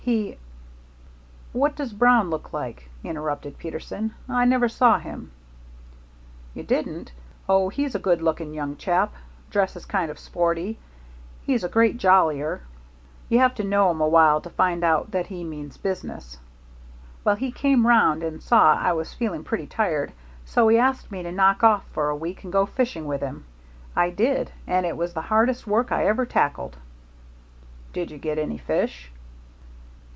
He " "What does Brown look like?" interrupted Peterson. "I never saw him." "You didn't! Oh, he's a good looking young chap. Dresses kind of sporty. He's a great jollier. You have to know him a while to find out that he means business. Well, he came 'round and saw I was feeling pretty tired, so he asked me to knock off for a week and go fishing with him. I did, and it was the hardest work I ever tackled." "Did you get any fish?"